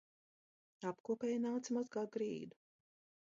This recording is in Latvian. Apkopēja nāca mazgāt grīdu